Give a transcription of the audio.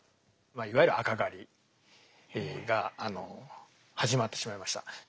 いわゆる「赤狩り」が始まってしまいました。